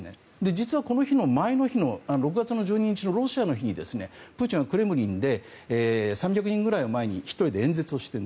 実は、この前の日の６月１２日のロシアの日にプーチンは、クレムリンで３００人ぐらいを前に１人で演説をしている。